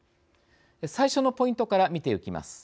最初のポイントから見ていきます。